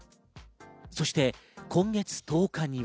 そして今月１０日には。